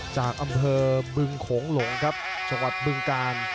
จากอำเภอบึงโขงหลงครับจังหวัดบึงกาล